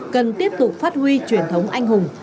cần tiếp tục phát huy truyền thống anh hùng